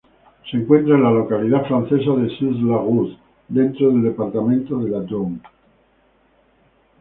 Se encuentra en la localidad francesa de Suze-la-Rousse dentro del departamento de la Drôme.